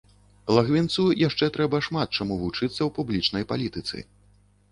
Лагвінцу яшчэ трэба шмат чаму вучыцца ў публічнай палітыцы.